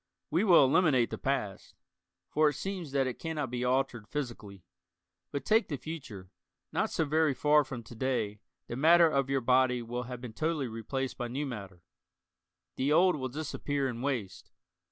We will eliminate the past, for it seems that it cannot be altered physically. But take the future: not so very far from to day the matter of your body will have been totally replaced by new matter; the old will disappear in waste.